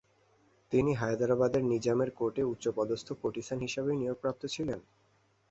তিনি হাদারাবাদের নিজামের কোর্টে উচ্চ পদস্থ কোর্টিসান হিসেবেও নিয়োগপ্রাপ্ত ছিলেন।